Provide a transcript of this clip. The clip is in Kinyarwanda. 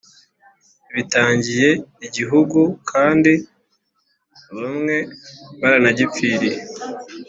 bitangiye igihugu kandi bamwe baranagipfiriye